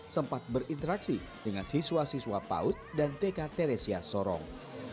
sempat berinteraksi dengan siswa siswa paut dan tk teresia sorong